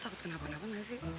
takut kenapa napa nggak sih